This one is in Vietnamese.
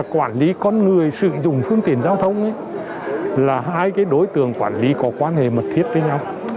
quản lý con người sử dụng phương tiện giao thông là hai đối tượng quản lý có quan hệ mật thiết với nhau